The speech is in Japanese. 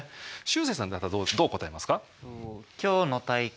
しゅうせいさんだったらどう答えますか？